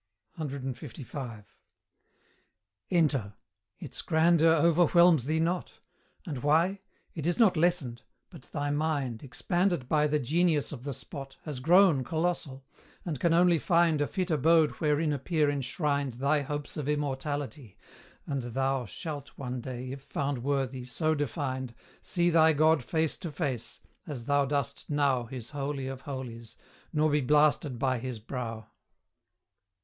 CLV. Enter: its grandeur overwhelms thee not; And why? it is not lessened; but thy mind, Expanded by the genius of the spot, Has grown colossal, and can only find A fit abode wherein appear enshrined Thy hopes of immortality; and thou Shalt one day, if found worthy, so defined, See thy God face to face, as thou dost now His Holy of Holies, nor be blasted by his brow.